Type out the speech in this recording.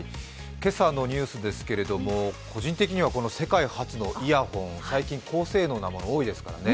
今朝のニュースですが、個人的には世界初のイヤホン、最近高性能なものが多いですからね。